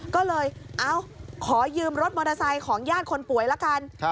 ก็เลยเอ้าขอยืมรถมอเตอร์ไซค์ของญาติคนป่วยละกัน